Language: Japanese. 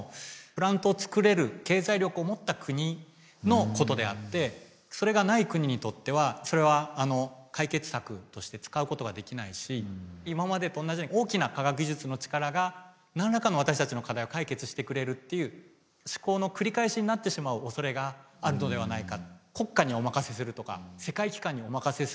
プラントをつくれる経済力を持った国のことであってそれがない国にとってはそれは解決策として使うことができないし今までと同じように大きな科学技術の力が何らかの私たちの課題を解決してくれるっていう思考の繰り返しになってしまうおそれがあるのではないか。